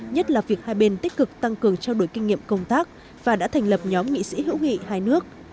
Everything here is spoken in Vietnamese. nhất là việc hai bên tích cực tăng cường trao đổi kinh nghiệm công tác và đã thành lập nhóm nghị sĩ hữu nghị hai nước